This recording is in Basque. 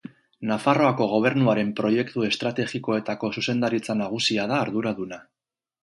Nafarroako Gobernuaren Proiektu Estrategikoetako Zuzendaritza Nagusia da arduraduna.